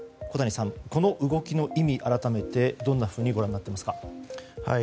小谷さん、この動きの意味改めてどんなふうにご覧になっていますか。